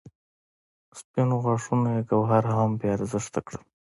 سپینو غاښونو یې ګوهر هم بې ارزښته کړ.